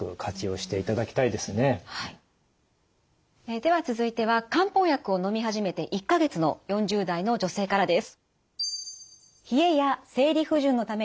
では続いては漢方薬をのみ始めて１か月の４０代の女性からです。